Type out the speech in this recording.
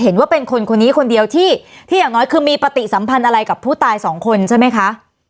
เห็นว่าเป็นคนคนนี้คนเดียวที่ที่อย่างน้อยคือมีปฏิสัมพันธ์อะไรกับผู้ตายสองคนใช่ไหมคะ